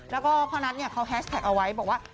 แล้วก็พ่อนัทเขาแฮชแท็กเอาไว้บอกว่า